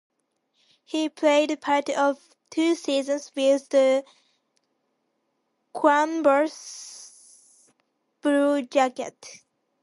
He played parts of two seasons with the Columbus Blue Jackets.